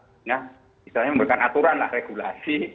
istilahnya memberikan aturan regulasi